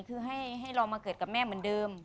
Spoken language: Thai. คือให้เรามาเกิดกับแม่เหมือนเดิม